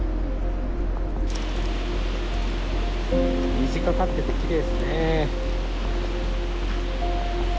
虹かかっててきれいですね。